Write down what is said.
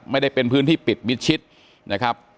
ไม่ได้เป็นพื้นที่ปิดมิดชิดนะครับ